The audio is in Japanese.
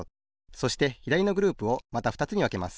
そしてひだりのグループをまたふたつにわけます。